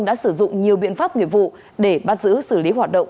đã sử dụng nhiều biện pháp nghiệp vụ để bắt giữ xử lý hoạt động